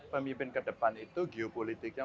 pemimpin ke depan itu geopolitiknya